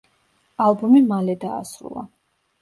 ალბომი მალე დაასრულა.